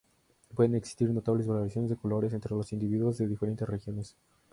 Pueden existir notables variaciones de colores entre los individuos de diferentes regiones.